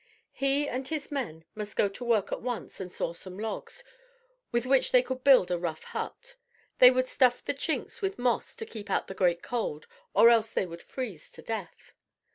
He and his men must go to work at once and saw some logs, with which they would build a rough hut. They would stuff the chinks with moss to keep out the great cold, or else they would freeze to death.